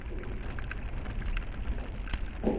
Still listen to the video, young people!